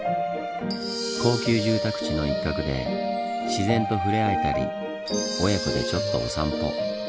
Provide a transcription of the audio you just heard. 高級住宅地の一角で自然と触れ合えたり親子でちょっとお散歩。